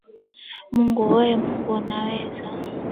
Mungu wee Mungu unaweza